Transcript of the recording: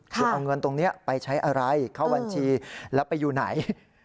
จะเอาเงินตรงนี้ไปใช้อะไรเข้าบัญชีแล้วไปอยู่ไหน